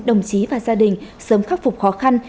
đồng chí và gia đình sớm khắc phục khó khăn